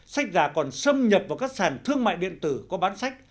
sách giả còn xâm nhập vào các sàn thương mại điện tử có bán sách